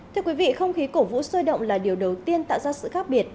thưa quý vị không khí cổ vũ sôi động là điều đầu tiên tạo ra sự khác biệt